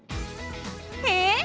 えっ！？